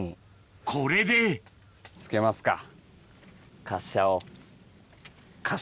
これでつけますか。